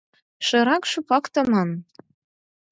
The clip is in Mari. Шерак-шопак таман.